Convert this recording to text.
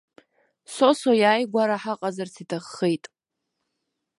Сосо иааигәара ҳаҟазарц иҭаххеит.